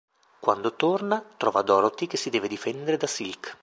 Quando torna, trova Dorothy che si deve difendere da Silk.